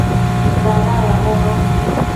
Dada uabono